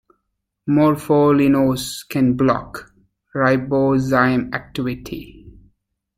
Morpholinos can block ribozyme activity.